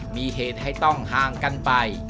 มีเหตุให้ต้องห่างกันไป